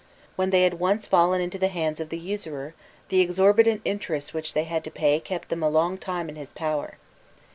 When they had once fallen into the hands of the usurer, the exorbitant interest which they had to pay kept them a long time in his power.